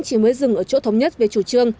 chỉ mới dừng ở chỗ thống nhất về chủ trương